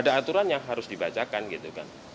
ada aturan yang harus dibacakan gitu kan